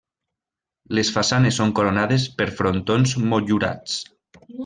Les façanes són coronades per frontons motllurats.